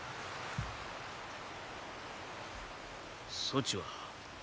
そちは。